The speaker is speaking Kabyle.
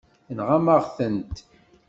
Tenɣam-aɣ-tent.